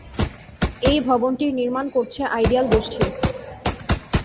এই ভবনটির নির্মাণ করছে আইডিয়াল গোষ্ঠী।